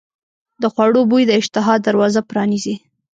د خوړو بوی د اشتها دروازه پرانیزي.